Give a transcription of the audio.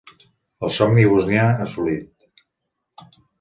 El somni bosnià assolit.